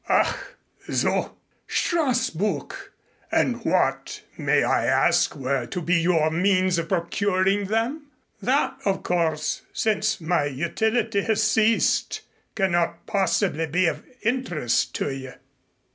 "Ach, so. Strassburg! And what, may I ask, were to be your means of procuring them?" "That, of course, since my utility has ceased, cannot possibly be of interest to you."